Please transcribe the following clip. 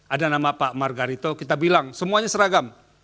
ada nama pak margarito kita bilang semuanya seragam